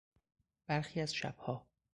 برخی از شبها